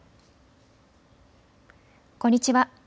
こんにちは。